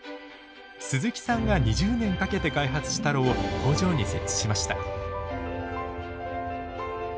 鈴木さんが２０年かけて開発した炉を工場に設置しました。